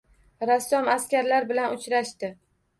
Rassom askarlar bilan uchrashdi